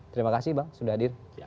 terima kasih bang sudah hadir